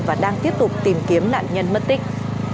và đang tiếp tục tìm kiếm nạn nhân mất tích